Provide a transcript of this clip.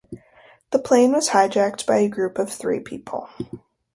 The plane was hijacked by a group of three people.